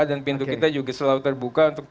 dan pintu kita juga selalu terbuka